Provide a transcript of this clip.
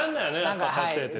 何かはい。